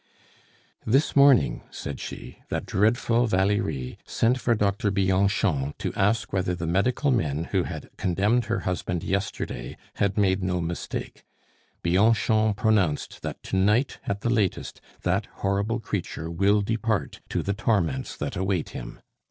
"This morning," said she, "that dreadful Valerie sent for Doctor Bianchon to ask whether the medical men who had condemned her husband yesterday had made no mistake. Bianchon pronounced that to night at the latest that horrible creature will depart to the torments that await him.